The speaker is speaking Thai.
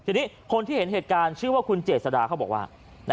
ทีนี้คนที่เห็นเหตุการณ์ชื่อว่าคุณเจษดาเขาบอกว่า